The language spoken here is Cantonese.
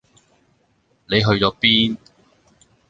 你去左邊？